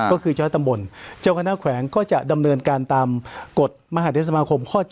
ก็คือเจ้าตำบลเจ้าคณะแขวงก็จะดำเนินการตามกฎมหาเทศสมาคมข้อ๗